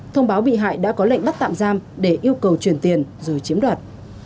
thông báo bị hại đã có lệnh bắt tạm giam để yêu cầu chuyển tiền rồi chiếm đoạt